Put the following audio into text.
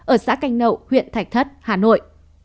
ở xã canh nậu huyện thạch thất hà nội